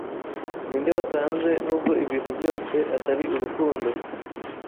Ninde watanze nubwo ibintu byose atari urukundo